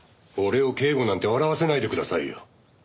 俺を警護なんて笑わせないでくださいよ。